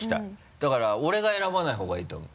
だから俺が選ばないほうがいいと思う。